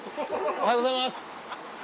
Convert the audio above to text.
おはようございます。